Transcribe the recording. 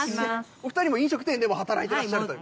お２人も飲食店で働いてらっしゃると？